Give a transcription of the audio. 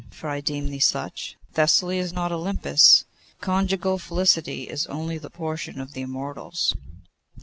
for I deem thee such, Thessaly is not Olympus. Conjugal felicity is only the portion of the immortals!